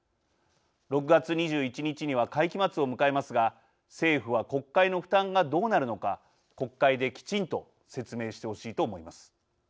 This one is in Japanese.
６月２１日には会期末を迎えますが政府は国民の負担がどうなるのか国会できちんと説明してほしいと思います。